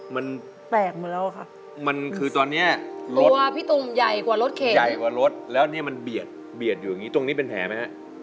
แตกหมดแล้วค่ะตัวพี่ตุ๋มใหญ่กว่ารถเข็นแล้วมันเบียดอยู่อย่างนี้ตรงนี้เป็นแผงไหมฮะ